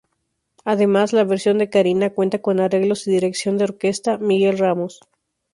Además, la versión de Karina cuenta con arreglos y dirección de orquesta Miguel Ramos.